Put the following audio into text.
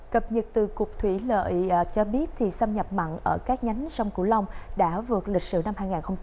cập nhật từ cục thủy lợi cho biết xâm nhập mặn ở các nhánh sông cửu long đã vượt lịch sử năm hai nghìn một mươi sáu